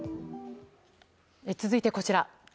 続いて、こちら。